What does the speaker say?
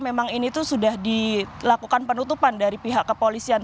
memang ini tuh sudah dilakukan penutupan dari pihak kepolisian